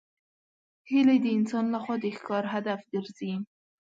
هیلۍ د انسان له خوا د ښکار هدف ګرځي